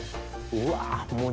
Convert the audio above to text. うわ！